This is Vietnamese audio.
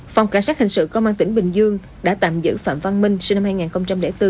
phòng cảnh sát hình sự công an tỉnh bình dương đã tạm giữ phạm văn minh sinh năm hai nghìn bốn